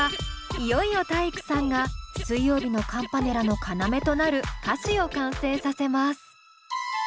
いよいよ体育さんが水曜日のカンパネラの要となる歌詞を完成させます。